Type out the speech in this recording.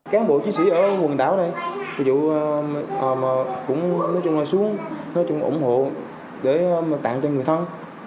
các bộ chiến sĩ ở quần đảo này cũng xuống ủng hộ để tặng cho người thân